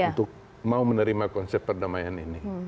untuk mau menerima konsep perdamaian ini